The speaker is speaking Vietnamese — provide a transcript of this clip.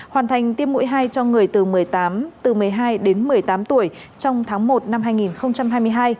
hoàn thành tiêm mũi hai cho người từ một mươi tám từ một mươi hai đến một mươi tám tuổi trong tháng một năm hai nghìn hai mươi hai